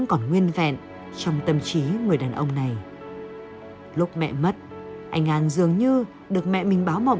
còn nguyên vẹn trong tâm trí người đàn ông này lúc mẹ mất anh an dường như được mẹ mình báo mậu